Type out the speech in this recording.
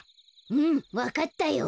うんわかったよ。